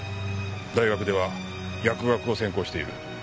大学では薬学を専攻している。